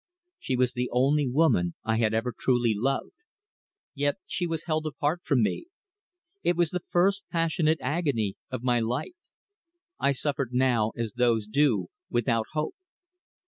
She was the only woman I had ever truly loved, yet she was held apart from me. It was the first passionate agony of my life. I suffered now as those do without hope.